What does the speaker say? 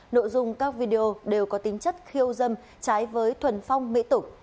nội dung các video đều có tính chất khiêu dâm trái với thuần phong mỹ tục